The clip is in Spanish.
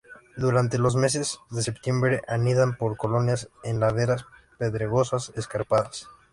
Durante los meses de septiembre anidan por colonias en laderas pedregosas escarpadas.